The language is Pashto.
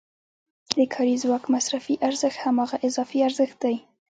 د کاري ځواک مصرفي ارزښت هماغه اضافي ارزښت دی